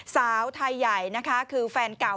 สาวไทยใหญ่นะคะคือแฟนเก่า